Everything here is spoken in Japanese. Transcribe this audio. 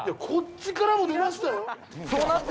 「こっちからも出ましたよ」